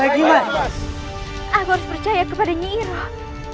aku harus percaya kepada nyirah